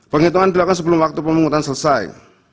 penghitungan dilakukan sebelum waktu pemungutan selesai